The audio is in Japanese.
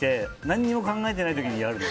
何も考えてない時にやるの。